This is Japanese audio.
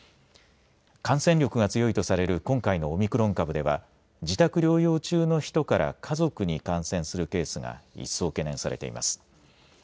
感染力が強いとされる今回のオミクロン株では自宅療養中の人から家族に感染するケースが一層懸念されています。